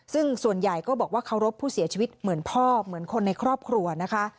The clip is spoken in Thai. ซึ่งส่วนใหญ่ก็บอกว่าเคารพผู้เสียชีวิตเหมือนพ่อเหมือนคนในครอบครัวนะคะ